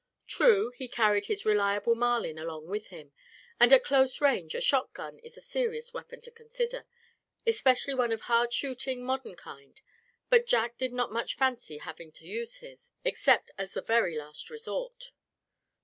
True, he carried his reliable Marlin along with him, and at close range a shotgun is a serious weapon to consider, especially one of hard shooting, modern kind, but Jack did not much fancy having to use this, except as the very last resort.